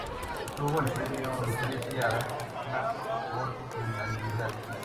Obtuvo el premio "Lucrecia Arana" por unanimidad.